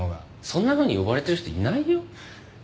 そんなふうに呼ばれてる人いないよ。